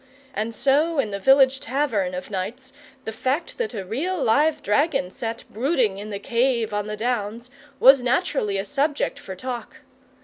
And so in the village tavern of nights the fact that a real live dragon sat brooding in the cave on the Downs was naturally a subject for talk.